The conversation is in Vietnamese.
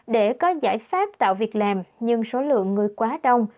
để có giải pháp tạo việc làm nhưng số lượng người quá đông